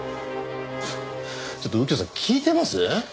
ちょっと右京さん聞いてます？